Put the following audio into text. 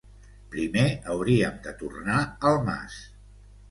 Primer hauríem de tornar al mas.